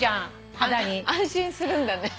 安心するんだね。